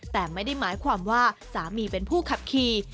แต่ไม่ได้หมายความว่าสามีเป็นผู้ขับขี่